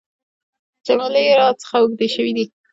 جملې راڅخه اوږدې شوي دي .